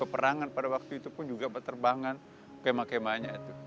memimpin peperangan pada waktu itu pun juga berterbangan keme kemanya itu